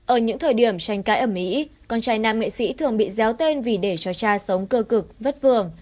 ở những thời điểm tranh cãi ở mỹ con trai nam nghệ sĩ thường bị déo tên vì để cho cha sống cơ cực vất vường